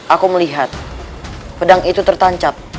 aku melihat pedang itu tertancap